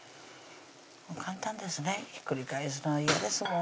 簡単ですねひっくり返すのは嫌ですもん